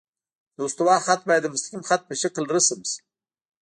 د استوا خط باید د مستقیم خط په شکل رسم شي